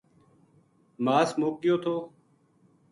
ماس مُک گیو تھو